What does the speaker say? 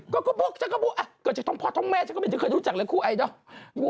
ก็ก็ปุ๊กจะก็บปุ๊กก็จะท้องพ่อท้องแม่จะก็ไม่เคยรู้จักอะไรคู่ไอดอล